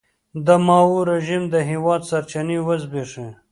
د ماوو رژیم د هېواد سرچینې وزبېښي.